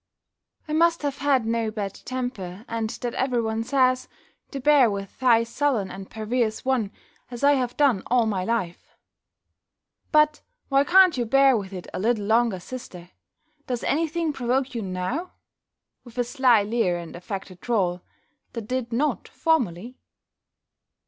"I must have had no bad temper, and that every one says, to bear with thy sullen and perverse one, as I have done all my life." "But why can't you bear with it a little longer, sister? Does any thing provoke you now" (with a sly leer and affected drawl) "that did not _formerly?